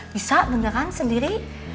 bisa beneran sendiri